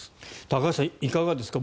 高橋さん、いかがですか。